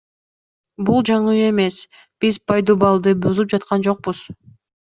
Бул жаңы үй эмес, биз пайдубалды бузуп жаткан жокпуз.